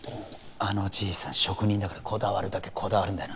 あのじいさん職人だからこだわるだけこだわるんだよな